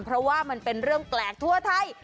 เพราะว่ามันเป็นเรื่องแปลกทั่วไทย